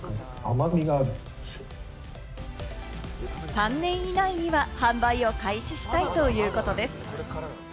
３年以内には販売を開始したいということです。